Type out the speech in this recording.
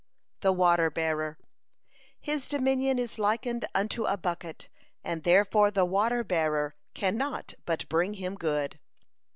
The Water bearer: "His dominion is likened unto a bucket, and therefore the Water bearer cannot but bring him good."